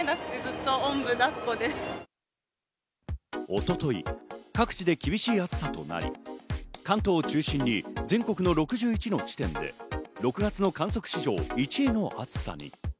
一昨日、各地で厳しい暑さとなり、関東を中心に全国の６１の地点で６月の観測史上１位の暑さに。